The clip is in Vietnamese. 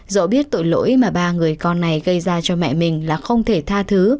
sự lỗi mà ba người con này gây ra cho mẹ mình là không thể tha thứ